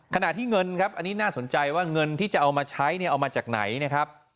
ขณะที่เงินครับอันนี้น่าสนใจว่าเงินที่จะเอามาใช้เนี่ยเอามาจากไหนนะครับ